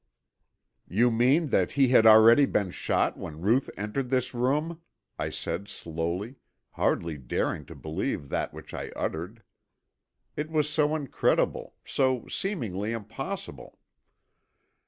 "You mean that he had already been shot when Ruth entered this room?" I said slowly, hardly daring to believe that which I uttered. It was so incredible, so seemingly impossible!